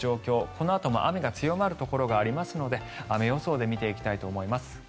このあとも雨が強まるところがありますので雨予想で見ていきたいと思います。